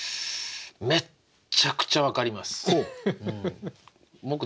めっちゃくちゃ分かります。